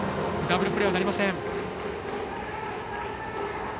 ダブルプレーはなりません。